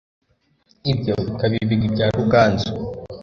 ibyo bikaba ibigwi bya Ruganzu ,